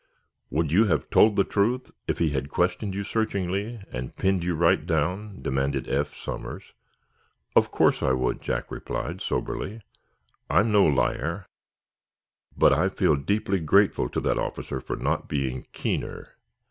"Would you have told the truth, if he had questioned you searchingly, and pinned you right down?" demanded Eph Somers. "Of course I would," Jack replied, soberly. "I'm no liar. But I feel deeply grateful to that officer for not being keener."